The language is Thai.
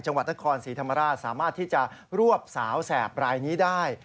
จังหวัดนครศรีธรรมราชสามารถที่จะรวบสาวแสบรายนี้ได้